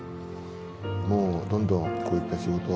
もうどんどんこういった仕事は